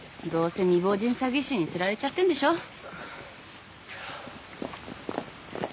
どうせ未亡人詐欺師に釣られちゃってんでしょ。